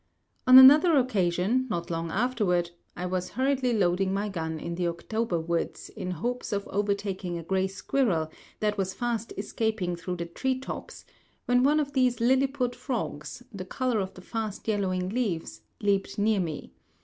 On another occasion, not long afterward, I was hurriedly loading my gun in the October woods in hopes of overtaking a gray squirrel that was fast escaping through the treetops, when one of these Lilliput frogs, the color of the fast yellowing leaves, leaped near me.